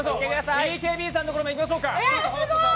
ＢＫＢさんのところもいきましょうか。